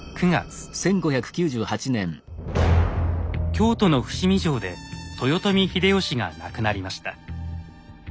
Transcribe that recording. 京都の伏見城で豊臣秀吉が亡くなりました。